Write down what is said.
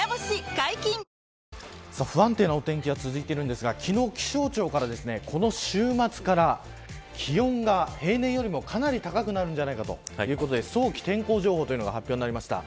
解禁‼不安定なお天気が続いているんですが昨日、気象庁からこの週末から気温が平年よりもかなり高くなるんじゃないかということで早期天候情報というのが発表になりました。